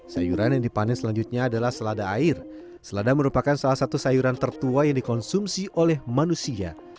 sayuran yang dipanen selanjutnya adalah selada air selada merupakan salah satu sayuran tertua yang dikonsumsi oleh manusia